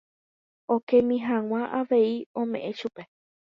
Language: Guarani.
Okemi hag̃ua avei ome'ẽ chupe.